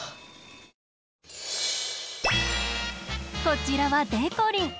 こちらはでこりん。